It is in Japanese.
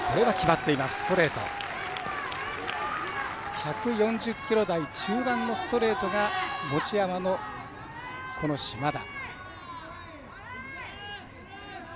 １４０キロ台中盤のストレートが持ち球の島田。